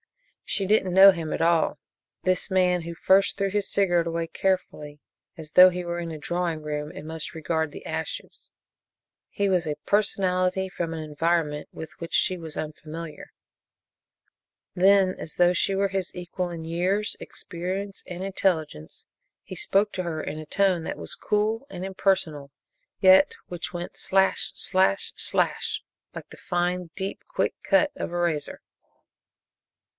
She didn't know him at all this man who first threw his cigarette away carefully, as though he were in a drawing room and must regard the ashes he was a personality from an environment with which she was unfamiliar. Then, as though she were his equal in years, experience and intelligence, he spoke to her in a tone that was cool and impersonal, yet which went slash! slash! slash! like the fine, deep, quick cut of a razor.